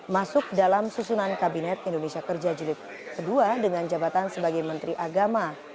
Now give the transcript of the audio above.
masuk dalam susunan kabinet indonesia kerja jilid ii dengan jabatan sebagai menteri agama